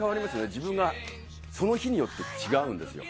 自分がその日によって違うんですよ。